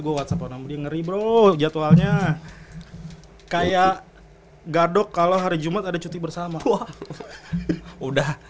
gue whatsapp dia ngeri bro jadwalnya kayak gadok kalau hari jumat ada cuti bersama wah udah